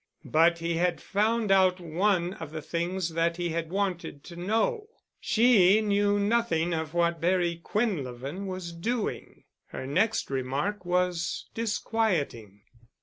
But he had found out one of the things that he had wanted to know. She knew nothing of what Barry Quinlevin was doing. Her next remark was disquieting.